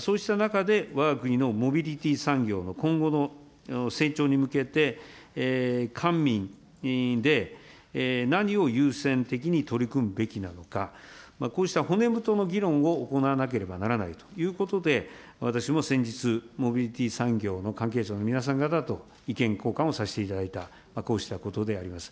そうした中で、わが国のモビリティ産業の今後の成長に向けて、官民で何を優先的に取り組むべきなのか、こうした骨太の議論を行わなければならないということで、私も先日、モビリティ産業の関係者の皆さん方と意見交換をさせていただいた、こうしたことであります。